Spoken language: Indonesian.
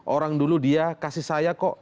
orang dulu dia kasih saya kok